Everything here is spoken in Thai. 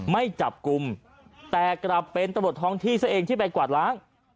ไม่จับกลุ่มแต่กลับเป็นตำรวจท้องที่ซะเองที่ไปกวาดล้าง